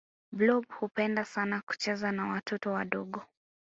blob hupenda sana kucheza na watoto wadogo